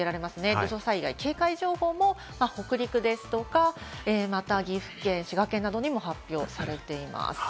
土砂災害警戒情報も、北陸ですとか、また岐阜県、滋賀県などにも発表されています。